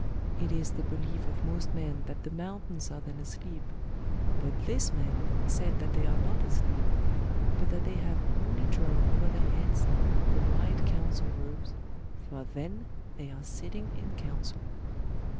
It is the belief of most men that the mountains are then asleep, but this man said that they are not asleep, but that they have only drawn over their heads the white council robes, for then they are sitting in council.